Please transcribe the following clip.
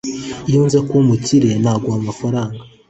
iyo nza kuba umukire, naguha amafaranga